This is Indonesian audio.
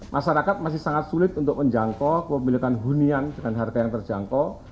masyarakat masih sangat sulit untuk menjangkau kepemilikan hunian dengan harga yang terjangkau